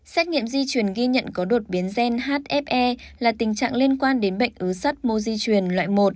xét nghiệm di chuyển ghi nhận có đột biến gen hfe là tình trạng liên quan đến bệnh ứ sắt mô di chuyển loại một